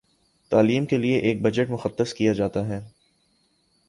تعلیم کے لیے ایک بجٹ مختص کیا جاتا ہے